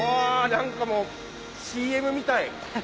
何かもうＣＭみたい！